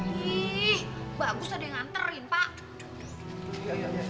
ih bagus ada yang nganterin pak